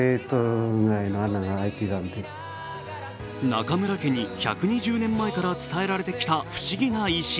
中村家に１２０年前から伝えられてきた不思議な石。